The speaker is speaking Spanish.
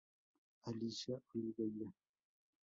Alicia Oliveira.